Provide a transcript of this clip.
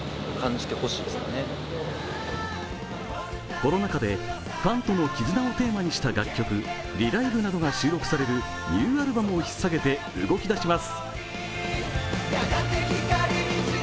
コロナ禍でファンとの絆をテーマにした楽曲が収録されたニューアルバムをひっさげて動き出します。